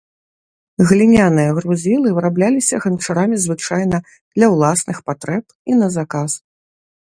Гліняныя грузілы вырабляліся ганчарамі звычайна для ўласных патрэб і на заказ.